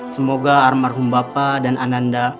semoga almarhum bapak dan ananda